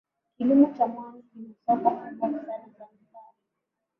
kilimo cha mwani kina soko kubwa sana Zanzibar